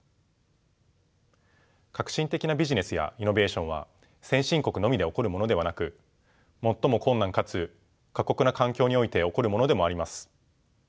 革新的なビジネスやイノベーションは先進国のみで起こるものではなく最も困難かつ過酷な環境において起こるものでもあります。